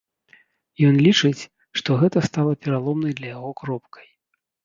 Ён лічыць, што гэта стала пераломнай для яго кропкай.